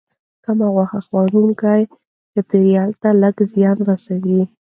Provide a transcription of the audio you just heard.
کم غوښه خوړونکي چاپیریال ته لږ زیان رسوي.